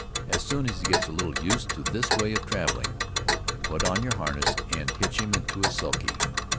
As soon as he gets a little used to this way of traveling, put on your harness and hitch him to a sulky.